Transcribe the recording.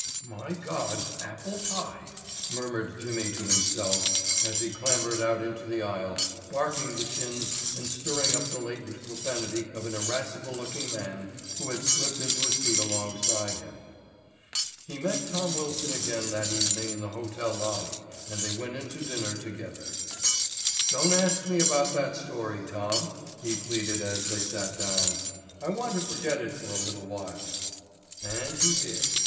"My God, apple pie," murmured Jimmy to himself as he clambered out into the aisle, barking the shins and stirring up the latent profanity of an irascible looking man who had slipped into a seat alongside him. He met Tom Wilson again that evening in the hotel lobby and they went into dinner together. "Don't ask me about that story, Tom," he pleaded as they sat down. "I want to forget it for a little while." And he did.